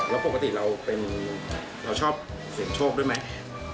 แล้วปกติเราชอบเสี่ยงโชคด้วยไหม